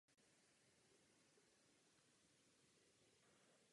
Součástí akce Naše pole je i poradenství začínajícím zemědělcům.